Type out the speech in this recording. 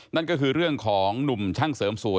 นั่นก็คือเรื่องของหนุ่มช่างเสริมสวย